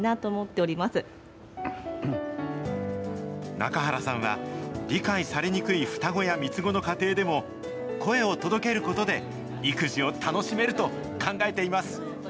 中原さんは、理解されにくい双子や３つ子の家庭でも、声を届けることで、育児を楽しめると考えています。